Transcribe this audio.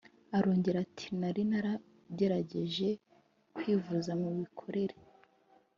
Arongera ati “Nari naragerageje kwivuza mu bikorera